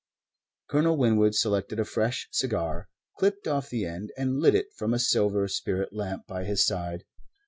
Colonel Winwood selected a fresh cigar, clipped off the end, and lit it from a silver spirit lamp by his side.